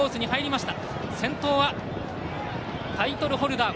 先頭はタイトルホルダー。